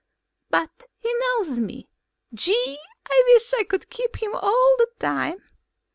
But he knows me. Gee, I wish I could keep him all the time."